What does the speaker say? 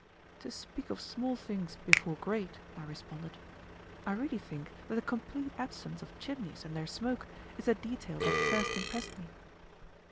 "To speak of small things before great," I responded, "I really think that the complete absence of chimneys and their smoke is the detail that first impressed me."